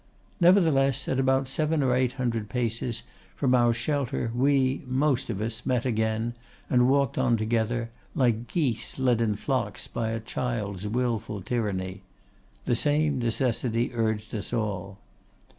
Nevertheless, at about seven or eight hundred paces from our shelter we, most of us, met again and walked on together, like geese led in flocks by a child's wilful tyranny. The same necessity urged us all.